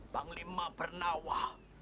bang lima bernawah